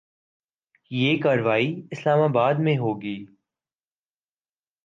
یہ کارروائی اسلام آباد میں ہو گی۔